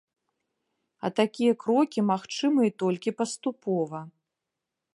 А такія крокі магчымыя толькі паступова.